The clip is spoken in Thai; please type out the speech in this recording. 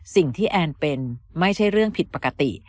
สิ่งที่แอนเป็นไม่ใช่เรื่องผิดปกติ